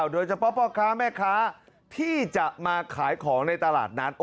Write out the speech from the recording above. โดยเฉพาะพ่อค้าแม่ค้าที่จะมาขายของในตลาดนั้น